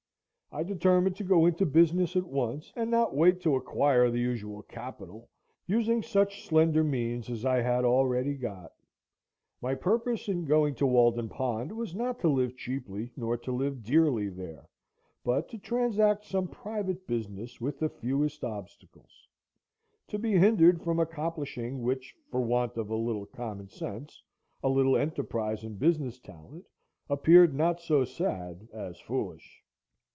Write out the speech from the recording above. I determined to go into business at once, and not wait to acquire the usual capital, using such slender means as I had already got. My purpose in going to Walden Pond was not to live cheaply nor to live dearly there, but to transact some private business with the fewest obstacles; to be hindered from accomplishing which for want of a little common sense, a little enterprise and business talent, appeared not so sad as foolish.